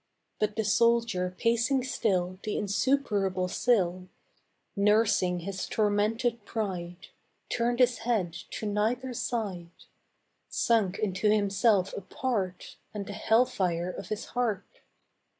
But the soldier pacing still The insuperable sill, Nursing his tormented pride, Turned his head to neither side, Sunk into himself apart And the hell fire of his heart.